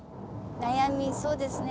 悩みそうですね